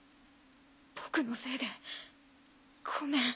僕のせいでごめん。